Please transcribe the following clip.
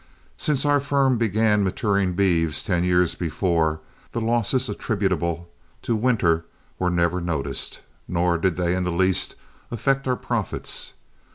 Since our firm began maturing beeves ten years before, the losses attributable to winter were never noticed, nor did they in the least affect our profits.